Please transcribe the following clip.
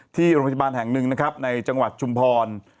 ที่โรงพยาบาลแห่งหนึ่งนะครับในจังหวัดชุมพร